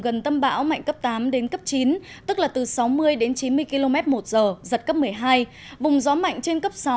gần tâm bão mạnh cấp tám đến cấp chín tức là từ sáu mươi đến chín mươi km một giờ giật cấp một mươi hai vùng gió mạnh trên cấp sáu